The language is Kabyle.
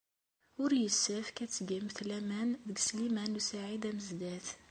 Ur yessefk ad tgemt laman deg Sliman u Saɛid Amezdat.